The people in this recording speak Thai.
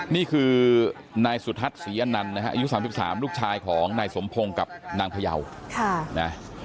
นี่คือนายสุธัตรศรีอันนันต์ยุค๓๓ลูกชายของนายสมพงศ์กับนางพยาว